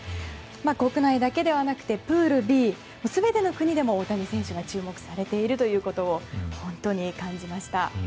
国内だけではなくてプールＢで大谷選手が注目されているということを本当に感じました。